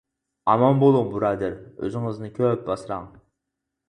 ئامان بۇلۇڭ بۇرادەر، ئۆزىڭىزنى كۆپ ئاسراڭ.